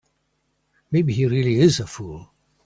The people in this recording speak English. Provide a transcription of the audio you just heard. Maybe he really is a fool.